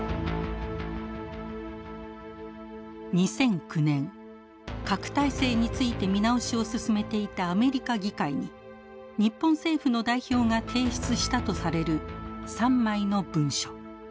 ２００９年核態勢について見直しを進めていたアメリカ議会に日本政府の代表が提出したとされる３枚の文書。